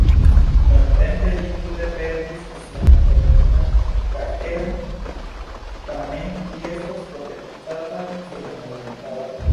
Nuntempe ĝi tute perdis sian originan karakteron, tamen ĝi estas protektata kiel memorindaĵo.